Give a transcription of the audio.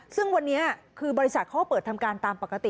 ซึ่งวันนี้คือบริษัทเขาก็เปิดทำการตามปกติ